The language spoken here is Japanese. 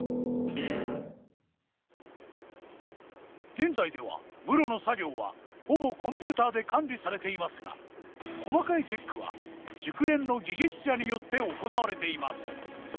現在では室の作業はほぼコンピューターで管理されていますが細かいチェックは熟練の技術者によって行われています。